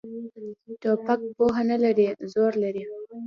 توپک پوهه نه لري، زور لري.